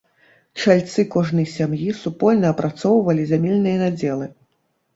Чальцы кожнай сям'і супольна апрацоўвалі зямельныя надзелы.